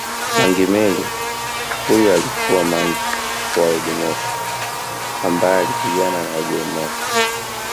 Mangi Meli huyu alikuwa mangi wa oldmoshi ambaye alipigana na wajerumani